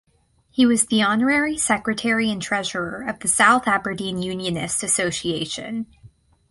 He was the Honorary Secretary and Treasurer of the South Aberdeen Unionist Association.